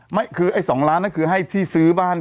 ไม่คือไอ้๒ล้านนั่นคือให้ที่ซื้อบ้าน